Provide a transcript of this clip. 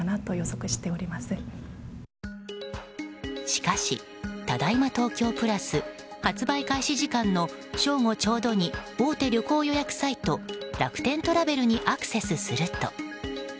しかし、ただいま東京プラス発売開始の正午ちょうどに大手旅行予約サイト楽天トラベルにアクセスすると。